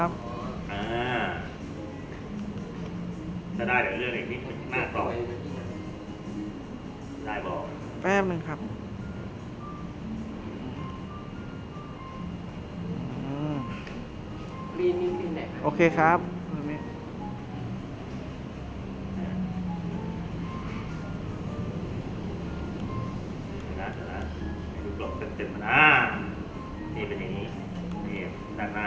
โลคไปอาชีพผมไปแล้วครับก็ผมไม่มีอาชีพอื่นแรงแต่ว่าพอผมแข็งแรงผมก็ไปต่อด้วย